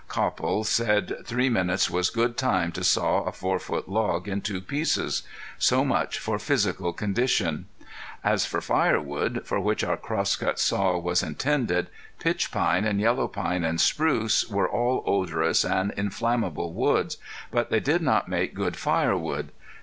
Copple said three minutes was good time to saw a four foot log in two pieces. So much for physical condition! As for firewood, for which our crosscut saw was intended, pitch pine and yellow pine and spruce were all odorous and inflammable woods, but they did not make good firewood.